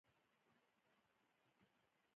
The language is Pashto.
چې که مونږ غواړو چې یو ملت شو، نو باید قرباني ورکړو